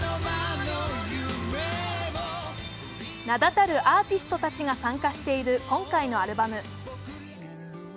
名だたるアーティストたちが参加している今回のアルバム。